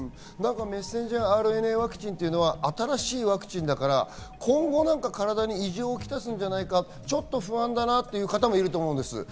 ｍＲＮＡワクチンというのは新しいワクチンだから今後、何か体に異常をきたすんじゃないか、不安だなという方もいると思います。